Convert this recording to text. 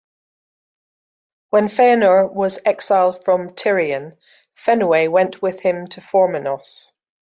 When Fëanor was exiled from Tirion, Finwë went with him to Formenos.